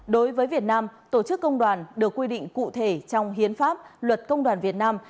đối với việt nam tổ chức công đoàn được quy định cụ thể trong hiến pháp luật công đoàn việt nam